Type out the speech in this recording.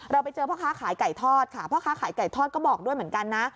ไปเจอพ่อค้าขายไก่ทอดค่ะพ่อค้าขายไก่ทอดก็บอกด้วยเหมือนกันนะ